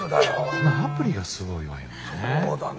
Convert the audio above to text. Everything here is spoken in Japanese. そのアプリがすごいわよね。